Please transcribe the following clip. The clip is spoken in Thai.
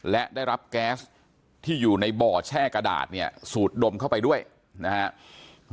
และได้รับแก๊สที่อยู่ในบ่อแช่กระดาษเนี่ยสูดดมเข้าไปด้วยนะครับ